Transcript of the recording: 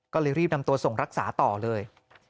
ก็เลยรีบนำตัวส่งรักษาต่อเลย